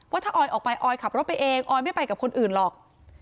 ถ้าออยออกไปออยขับรถไปเองออยไม่ไปกับคนอื่นหรอก